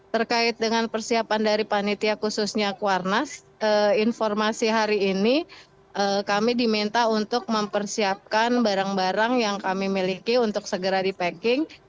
terkait dengan persiapan dari panitia khususnya kuarnas informasi hari ini kami diminta untuk mempersiapkan barang barang yang kami miliki untuk segera di packing